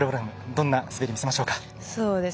どんなところを見せましょうか？